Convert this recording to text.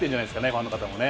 ファンの方もね。